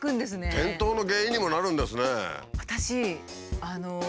転倒の原因にもなるんですね。